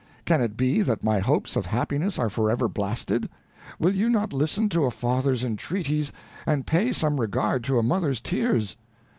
can it be that my hopes of happiness are forever blasted! Will you not listen to a father's entreaties, and pay some regard to a mother's tears.